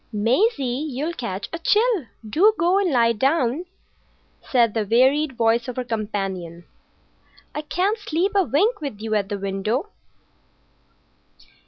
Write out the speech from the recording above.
"Maisie, you'll catch a chill. Do go and lie down," said the wearied voice of her companion. "I can't sleep a wink with you at the window."